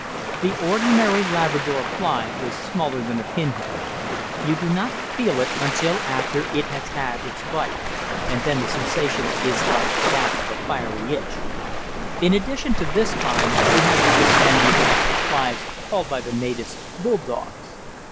The ordinary Labrador fly is smaller than a pinhead. You do not feel it until after it has had its bite, and then the sensation is like that of a fiery itch. In addition to this kind, we had to withstand the attacks of flies called by the natives "bulldogs."